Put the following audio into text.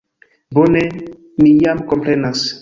Bone, mi jam komprenas.